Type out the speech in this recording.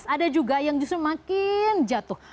ada juga yang justru makin jatuh